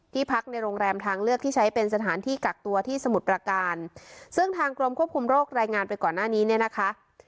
พักในโรงแรมทางเลือกที่ใช้เป็นสถานที่กักตัวที่สมุทรประการซึ่งทางกรมควบคุมโรครายงานไปก่อนหน้านี้เนี่ยนะคะ